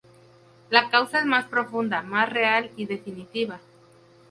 La causa es más profunda, más real y definitiva.